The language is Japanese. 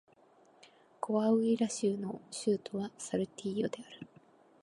コアウイラ州の州都はサルティーヨである